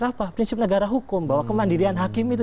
apa prinsip negara hukum bahwa kemandirian hakim itu